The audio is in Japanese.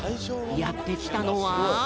やってきたのは。